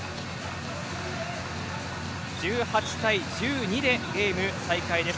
１８対１２でゲーム再開です。